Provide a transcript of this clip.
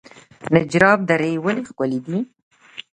نجراب درې ولې ښکلې دي؟